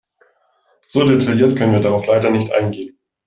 So detailliert können wir darauf leider nicht eingehen.